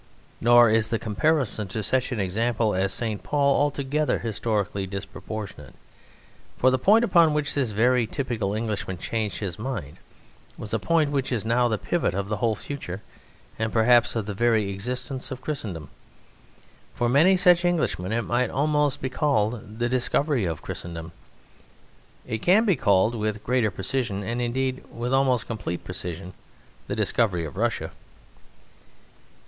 Nor is the comparison to such an example as St. Paul altogether historically disproportionate; for the point upon which this very typical Englishman changed his mind was a point which is now the pivot of the whole future and perhaps of the very existence of Christendom. For many such Englishmen it might almost be called the discovery of Christendom. It can be called with greater precision, and indeed with almost complete precision, the discovery of Russia.